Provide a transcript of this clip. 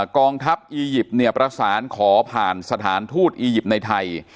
กองทัพอียิปต์เนี่ยประสานขอผ่านสถานทูตอียิปต์ในไทย